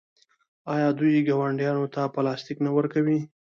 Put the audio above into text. آیا دوی ګاونډیانو ته پلاستیک نه ورکوي؟